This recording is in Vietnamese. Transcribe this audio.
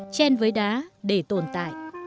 trên với đá để tồn tại